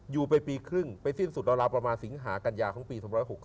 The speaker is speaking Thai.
อยู่ไปปีครึ่งไปสิ้นสุดราวประมาณสิงหากัญญาของปี๒๖๓